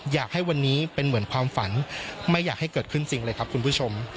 อยากให้วันนี้เป็นเหมือนความฝันไม่อยากให้เกิดขึ้นจริงเลยครับคุณผู้ชม